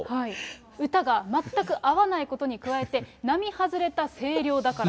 歌が全く合わないことに加えて、並外れた声量だから。